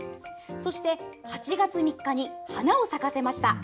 そして８月３日に花を咲かせました！